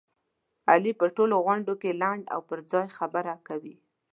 علي په ټولو غونډوکې لنډه او پرځای خبره کوي.